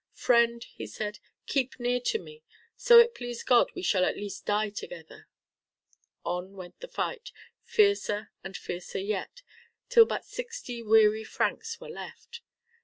"Friend," he said, "keep near to me. So it please God we shall at least die together." On went the fight, fiercer and fiercer yet, till but sixty weary Franks were left.